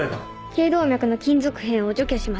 頸動脈の金属片を除去します。